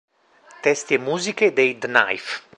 Testi e musiche dei The Knife.